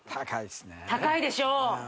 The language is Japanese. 高いでしょう？